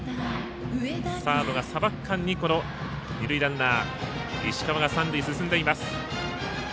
サードがさばく間に二塁ランナー石川が三塁へ進んでいます。